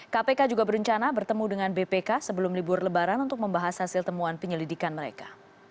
kpk juga berencana bertemu dengan bpk sebelum libur lebaran untuk membahas hasil temuan penyelidikan mereka